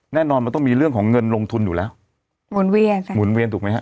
แน่นอนมันต้องมีเรื่องของเงินลงทุนอยู่แล้วหมุนเวียนค่ะหมุนเวียนถูกไหมฮะ